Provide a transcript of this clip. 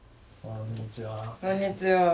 こんにちは。